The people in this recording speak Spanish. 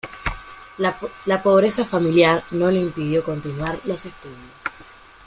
La pobreza familiar no le impidió continuar los estudios.